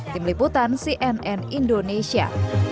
tim liputan cnn indonesia